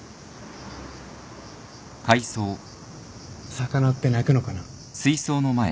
魚って泣くのかな？